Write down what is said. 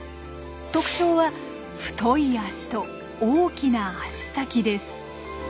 特徴は太い脚と大きな足先です。